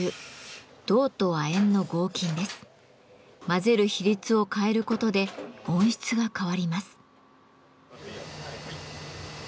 混ぜる比率を変えることで音質が変わります。